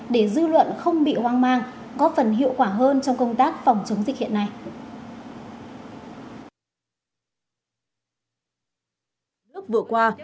để dư luận không bị hoang mang có phần hiệu quả hơn trong công tác phòng chống dịch hiện nay